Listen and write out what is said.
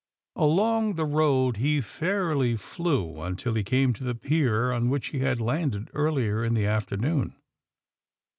Along the road he fairly jflew until he came to the pier' on which he had landed early in the afternoon.